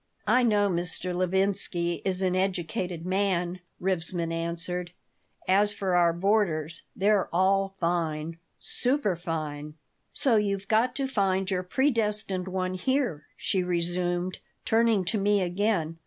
"I know Mr. Levinsky is an educated man," Rivesman answered. "As for our boarders, they're all fine superfine." "So you've got to find your predestined one here," she resumed, turning to me again.